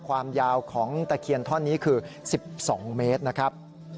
ความยาวของตะเคียนท่อนนี้คือ๑๒เมตรนะครับ